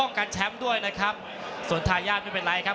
รอคะแนนจากอาจารย์สมาร์ทจันทร์คล้อยสักครู่หนึ่งนะครับ